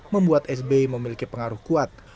membuat sby memiliki pengaruh kuat